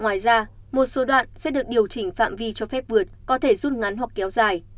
ngoài ra một số đoạn sẽ được điều chỉnh phạm vi cho phép vượt có thể rút ngắn hoặc kéo dài